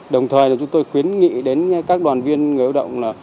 đồng thời chúng tôi khuyến nghị đến các đoàn viên người động